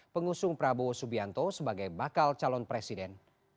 pengusung prabowo subianto sebagai bakal calon presiden